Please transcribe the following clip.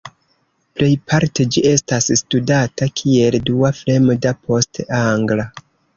Plejparte ĝi estas studata kiel dua fremda post angla.